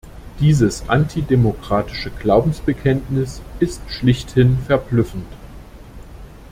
Dieses antidemokratische Glaubensbekenntnis ist schlechthin verblüffend.